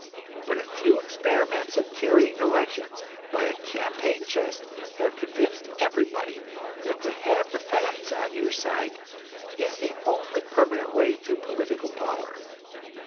But a few experiments at carrying elections by a "campaign chest" have convinced everybody that to have the facts on your side is the only permanent way to political power.